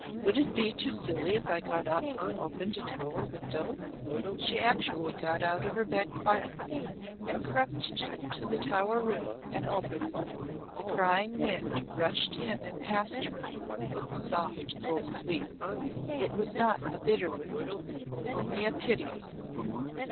Would it be too silly if I got up and opened a tower window?" She actually got out of her bed quietly and crept to the tower room and opened one. The crying wind rushed in and past her with a soft cold sweep. It was not a bitter wind, only a piteous one.